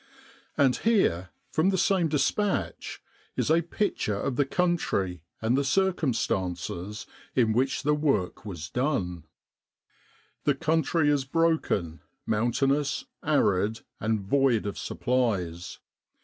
And here, from the same dispatch, is a picture of the country, and the circumstances, in which the work was done : "The country is broken, mountainous, arid, atid void of supplies.